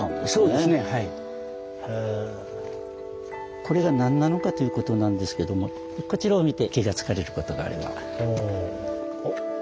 これが何なのかということなんですけどもこちらを見て気が付かれることがあれば。